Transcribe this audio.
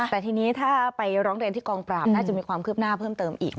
แต่ทีนี้ถ้าไปร้องเรียนที่กองปราบน่าจะมีความคืบหน้าเพิ่มเติมอีก